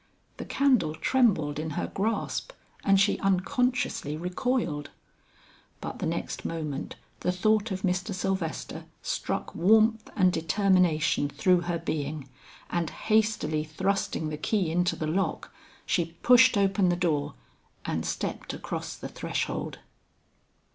The candle trembled in her grasp, and she unconsciously recoiled. But the next moment the thought of Mr. Sylvester struck warmth and determination through her being, and hastily thrusting the key into the lock, she pushed open the door and stepped across the threshold.